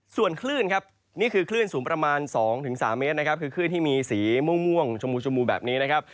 ส่วนคลื่อนนี้คือคลื่นสูงประมาณ๒๓เมตรคือคลื่นที่มีสีมุ่งม่วงชมูวแบบนี้นะครับ